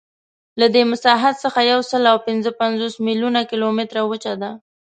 له دې مساحت څخه یوسلاوپینځهپنځوس میلیونه کیلومتره وچه ده.